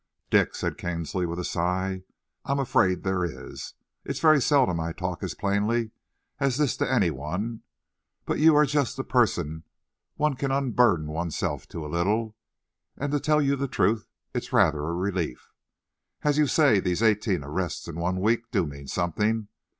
"Dick," said Kinsley, with a sigh, "I am afraid there is. It's very seldom I talk as plainly as this to any one but you are just the person one can unburden oneself to a little; and to tell you the truth, it's rather a relief. As you say, these eighteen arrests in one week do mean something.